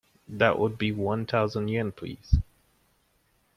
That will be one thousand yen please.